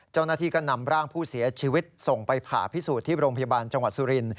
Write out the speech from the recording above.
เจ้าหน้าที่ก็นำร่างผู้เสียชีวิตส่งไปผ่าพิสูจน์ที่โรงพยาบาลจังหวัดสุรินท